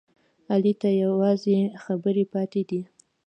علي ته یوازې خبرې پاتې دي.